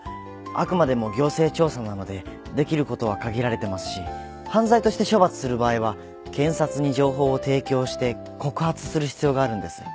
あくまでも行政調査なのでできることは限られてますし犯罪として処罰する場合は検察に情報を提供して告発する必要があるんです。